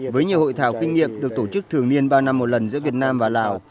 với nhiều hội thảo kinh nghiệm được tổ chức thường niên ba năm một lần giữa việt nam và lào